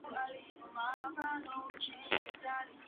These exclusions may have a significant effect on the phylogeny.